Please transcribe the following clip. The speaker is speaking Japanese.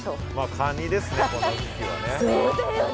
カニですねこの時期はね。